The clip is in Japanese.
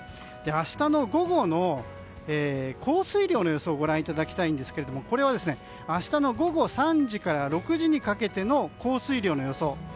明日の午後の降水量の予想をご覧いただきたいんですが明日の午後３時から６時にかけての降水量の予想。